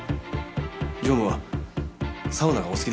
常務はサウナがお好きでしたので。